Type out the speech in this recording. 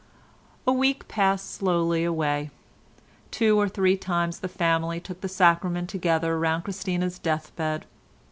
A week passed slowly away. Two or three times the family took the sacrament together round Christina's death bed.